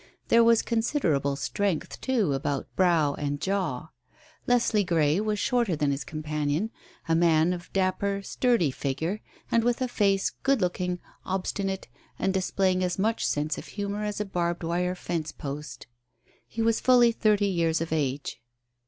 There was considerable strength too about brow and jaw. Leslie Grey was shorter than his companion. A man of dapper, sturdy figure, and with a face good looking, obstinate, and displaying as much sense of humour as a barbed wire fence post. He was fully thirty years of age.